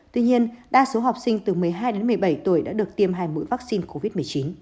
tuy nhiên đa số học sinh từ một mươi hai đến một mươi bảy tuổi đã được tiêm hai mũi vaccine covid một mươi chín